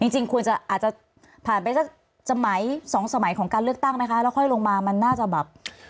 จริงควรจะอาจจะผ่านไปสักสมัยสองสมัยของการเลือกตั้งไหมคะแล้วค่อยลงมามันน่าจะแบบ